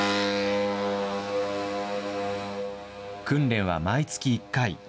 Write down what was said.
訓練は毎月１回。